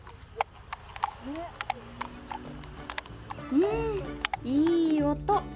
うん、いい音。